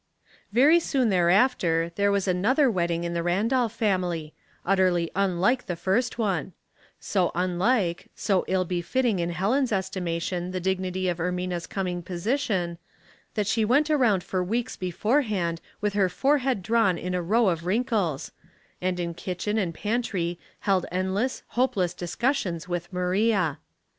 ERY soon thereafter there was another wedding in the Randolph family, utterly unlike the first one — so unlike, so ill be fitting in Helen's estimation the dignity of Ermina's coming position, that she went Around for weeks beforehand w4th her forehead drawn in a row of wrinkles, and in kitchen and pantry held endless, hopeless discussions with Maria.